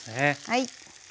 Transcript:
はい。